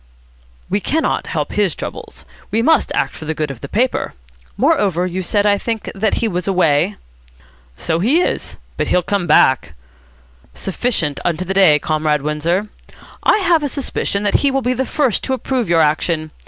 "We cannot help his troubles. We must act for the good of the paper. Moreover, you said, I think, that he was away?" "So he is. But he'll come back." "Sufficient unto the day, Comrade Windsor. I have a suspicion that he will be the first to approve your action.